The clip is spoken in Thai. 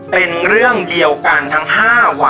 เป็นเรื่องเดียวกันทั้ง๕วัน